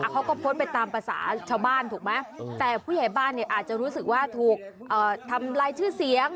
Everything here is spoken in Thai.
เขาก็โพสต์ไปตามภาษาชาวบ้านถูกไหมแต่ผู้ใหญ่บ้านอาจจะรู้สึกว่าถูกทำลายชื่อเสียง